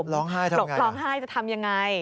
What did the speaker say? ร้องไห้จะทำยังไง